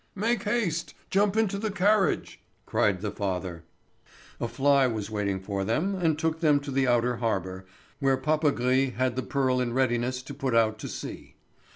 "Make haste, jump into the carriage," cried the father. A fly was waiting for them and took them to the outer harbour, where Papagris had the Pearl in readiness to put out to sea.